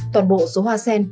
toàn bộ số hoa sen